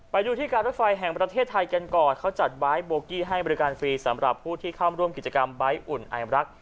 ไปดูที่การรถไฟแห่งประเทศไทยกันก่อนเขาจัดไบท์โบกี้ให้บริการฟรีสำหรับผู้ที่เข้าร่วมกิจกรรมใบ้อุ่นไอรัก